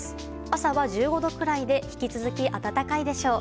朝は１５度くらいで引き続き暖かいでしょう。